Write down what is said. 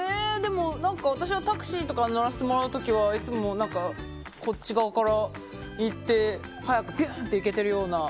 私がタクシーとかに乗らせてもらう時はいつもこっち側から行って早くビューンって行けているような。